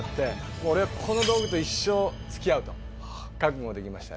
もう俺はこの道具と一生付き合うと覚悟できましたね。